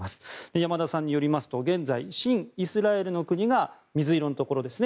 山田さんによりますと現在、親イスラエルの国が水色のところですね。